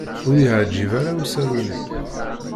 Ur y-iεǧib ara usaru-nni